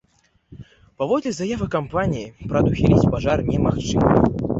Паводле заявы кампаніі, прадухіліць пажар немагчыма.